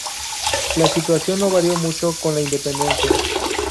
La situación no varió mucho con la independencia.